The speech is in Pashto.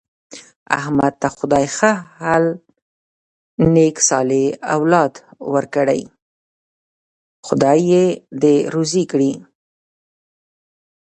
احمد ته خدای ښه حل نېک صالح اولاد ورکړی، خدای یې دې روزي کړي.